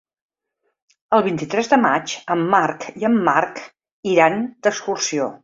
El vint-i-tres de maig en Marc i en Marc iran d'excursió.